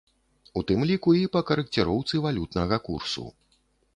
У тым ліку і па карэкціроўцы валютнага курсу.